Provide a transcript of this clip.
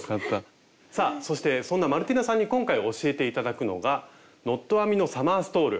さあそしてそんなマルティナさんに今回教えて頂くのが「ノット編みのサマーストール」。